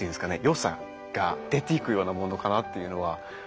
よさが出ていくようなものかなっていうのは。